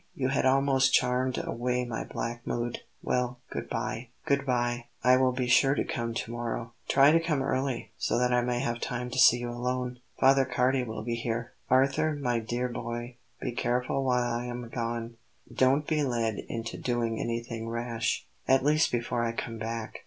You had almost charmed away my black mood. Well, good bye." "Good bye. I will be sure to come to morrow." "Try to come early, so that I may have time to see you alone. Father Cardi will be here. Arthur, my dear boy, be careful while I am gone; don't be led into doing anything rash, at least before I come back.